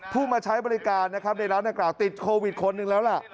ผู้มาใช้บริการในร้านอากาศติดโควิดคนหนึ่งแล้วล่ะ